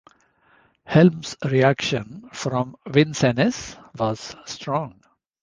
Helm's reaction from Vincennes was strong.